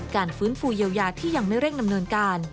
ฟื้นฟูเยียวยาที่ยังไม่เร่งดำเนินการ